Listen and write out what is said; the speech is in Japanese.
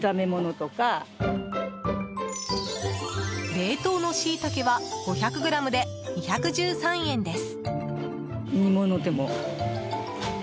冷凍のしいたけは５００ｇで２１３円です。